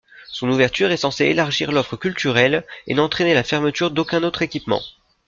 Son ouverture est censée élargir l’offre culturelle et n’entraîner la fermeture d’aucun autre équipement.